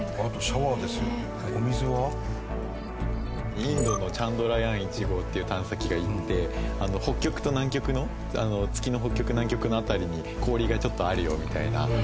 インドのチャンドラヤーン１号っていう探査機が行って北極と南極の月の北極南極の辺りに氷がちょっとあるよみたいな。